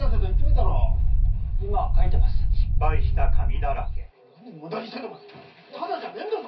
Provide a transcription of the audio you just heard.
ただじゃねえんだぞ！